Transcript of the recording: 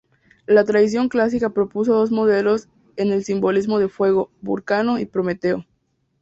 La tradición clásica propuso dos modelos en el simbolismo del fuego: Vulcano y Prometeo.